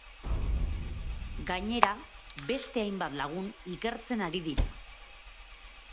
Gainera, beste hainbat lagun ikertzen ari dira.